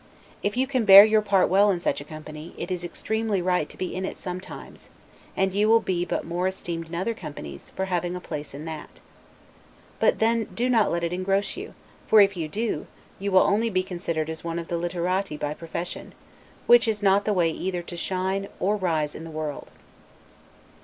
If you can bear your part well in such a company, it is extremely right to be in it sometimes, and you will be but more esteemed in other companies, for having a place in that. But then do not let it engross you; for if you do, you will be only considered as one of the 'literati' by profession; which is not the way either, to shine, or rise in the world.